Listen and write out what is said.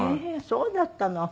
そうだったの。